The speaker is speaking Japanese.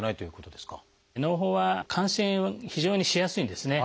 のう胞は感染非常にしやすいんですね。